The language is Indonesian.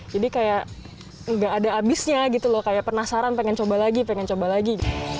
jadi kayak nggak ada abisnya gitu loh kayak penasaran pengen coba lagi pengen coba lagi